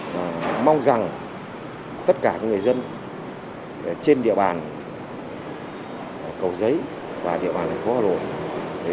trên địa bàn cầu giấy và địa bàn thành phố hà nội